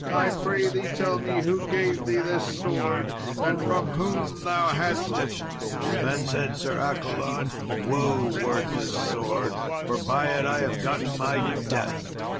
I pray thee tell me who gave thee this sword? and from whom thou hadst it?" Then said Sir Accolon, "Woe worth this sword, for by it I have gotten my death.